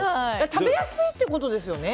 食べやすいってことですよね。